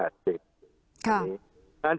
ด้าน๓